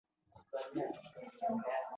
هغه شاعري هم کوي او شعرونه ليکي